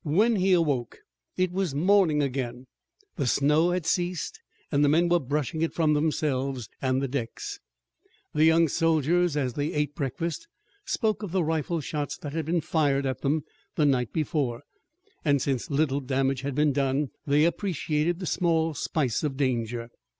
When he awoke it was morning again, the snow had ceased and the men were brushing it from themselves and the decks. The young soldiers, as they ate breakfast, spoke of the rifle shots that had been fired at them the night before and, since little damage had been done, they appreciated the small spice of danger.